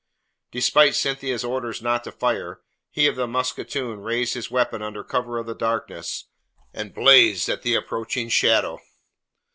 Despite Cynthia's orders not to fire, he of the musketoon raised his weapon under cover of the darkness and blazed at the approaching shadow.